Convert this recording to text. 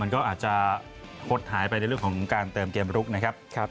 ก็อาจจะหดหายไปในเรื่องของการเติมเกมลุกนะครับ